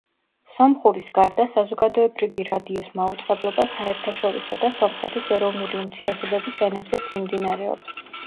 სომხურის გარდა, საზოგადოებრივი რადიოს მაუწყებლობა საერთაშორისო და სომხეთის ეროვნული უმცირესობების ენებზეც მიმდინარეობს.